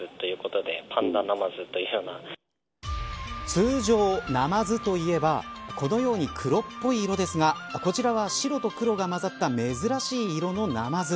通常、ナマズといえばこのように黒っぽい色ですがこちらは黒と白がまざった珍しい色のナマズ